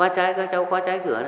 các cháu khoa trái cửa